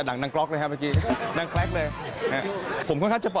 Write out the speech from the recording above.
ลูกออกมาน่ารักแน่